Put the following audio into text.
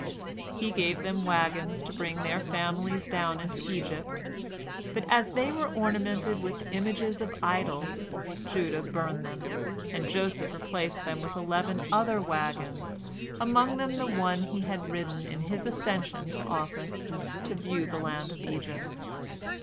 He gave them wagons, to bring their families down into Egypt, but as they were ornamented with images of idols, Judah burnt them, and Joseph replaced them with eleven other wagons, among them the one he had ridden in at his accession to office, to view the land of Egypt.